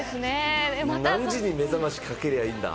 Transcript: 何時に目覚ましかけりゃいいんだ。